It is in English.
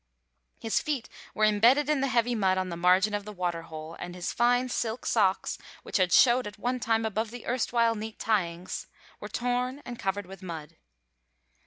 His feet were imbedded in the heavy mud on the margin of the water hole, and his fine silk socks, which had showed at one time above the erstwhile neat tyings, were torn and covered with mud.